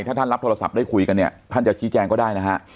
ถ้าท่านรับโทรศัพท์ได้คุยกันเนี่ยท่านจะชี้แจงก็ได้นะฮะ